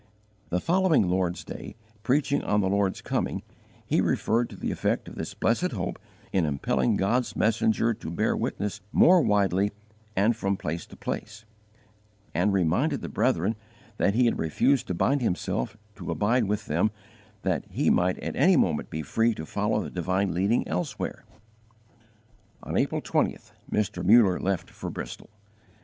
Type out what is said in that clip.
The following Lord's day, preaching on the Lord's coming, he referred to the effect of this blessed hope in impelling God's messenger to bear witness more widely and from place to place, and reminded the brethren that he had refused to bind himself to abide with them that he might at any moment be free to follow the divine leading elsewhere. On April 20th Mr. Muller left for Bristol.